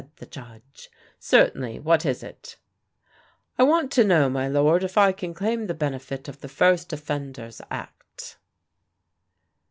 said the Judge. "Certainly. What is it?" "I want to know, my lord, if I can claim the benefit of the First Offenders Act?"